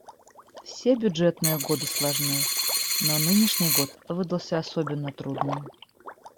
Все бюджетные годы сложны, но нынешний год выдался особенно трудным.